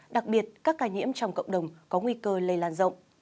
đặc biệt các ca nhiễm trong cộng đồng có nguy cơ lây lan rộng